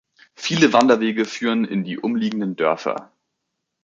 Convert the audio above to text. Viele Wanderwege führen in die umliegenden Dörfer.